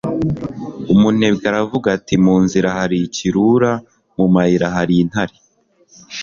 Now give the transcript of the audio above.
umunebwe aravuga ati mu nzira hari ikirura! mu mayira hari intare